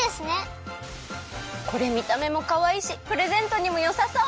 これみためもかわいいしプレゼントにもよさそう！